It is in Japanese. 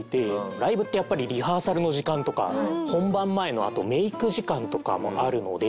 ライブってやっぱりリハーサルの時間とか本番前のメイク時間とかもあるので。